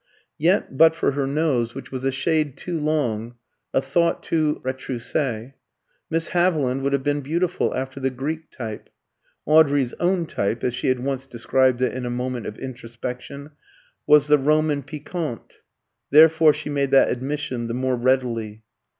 Yet, but for her nose, which was a shade too long, a thought too retroussé, Miss Haviland would have been beautiful after the Greek type. (Audrey's own type, as she had once described it in a moment of introspection, was the "Roman piquante," therefore she made that admission the more readily.)